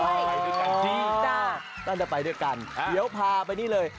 อ๋อจริงจ้ะตั้งแต่ไปด้วยกันเดี๋ยวพาไปนี่เลย